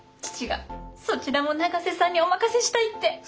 父がそちらも永瀬さんにお任せしたいって。